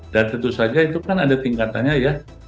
dan tentu saja itu kan ada tingkatannya ya